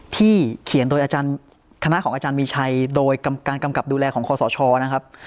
ที่เขียนโดยอาจารย์คณะของอาจารย์มีชัยโดยการกำกับดูแลของคอสชนะครับ